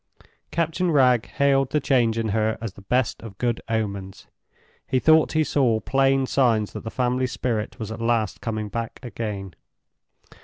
Captain Wragge hailed the change in her as the best of good omens. He thought he saw plain signs that the family spirit was at last coming back again.